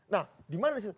nah dimana disitu